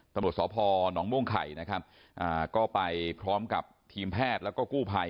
ตำรวจสพหนองม่วงไข่นะครับก็ไปพร้อมกับทีมแพทย์แล้วก็กู้ภัย